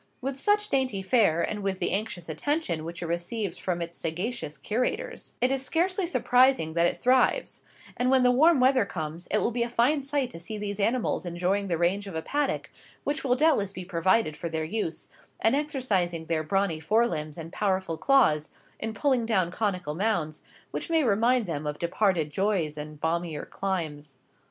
With such dainty fare, and with the anxious attention which it receives from its sagacious curators, it is scarcely surprising that it thrives; and when the warm weather comes, it will be a fine sight to see these animals enjoying the range of a paddock, which will doubtless be provided for their use, and exercising their brawny forelimbs and powerful claws in pulling down conical mounds, which may remind them of departed joys and balmier climes.